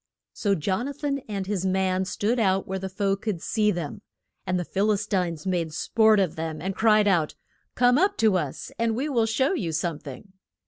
So Jon a than and his man stood out where the foe could see them. And the Phil is tines made sport of them, and cried out, Come up to us, and we will shew you some thing.